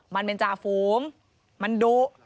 มันเป็นจ่าฟูมมันโด๊ะ